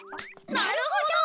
なるほど！